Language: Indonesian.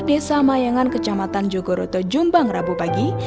desa mayangan kecamatan jogoroto jombang rabu pagi